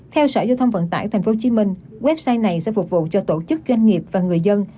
theo sở giao thông vận tải tp hcm website này sẽ phục vụ cho tổ chức doanh nghiệp và người dân